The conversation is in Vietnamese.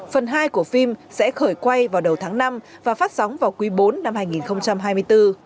phần hai của phim sẽ khởi quay vào đầu tháng năm và phát sóng vào quý bốn năm hai nghìn hai mươi bốn